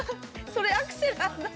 それアクセなんだ。